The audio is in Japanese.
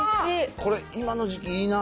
これ、今の時期いいなあ。